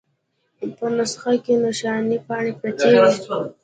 په نسخه کې نښانۍ پاڼې پرتې وې.